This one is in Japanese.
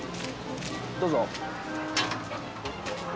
どうぞ。